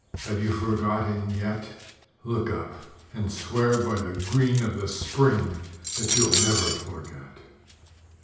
Have you forgotten yet?... _Look up, and swear by the green of the Spring that you'll never forget.